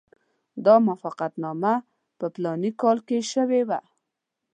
دا موافقتنامه په فلاني کال کې شوې وه.